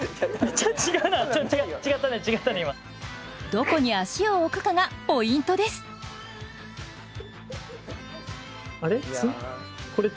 どこに足を置くかがポイントですあれ？